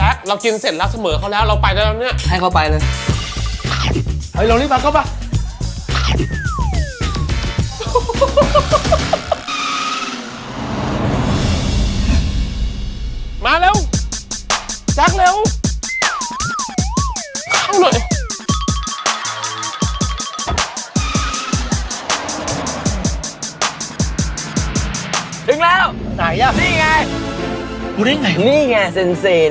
จั๊กเรากินเสร็จแล้วเสมอเขาแล้วเราไปได้ตรงเนี่ย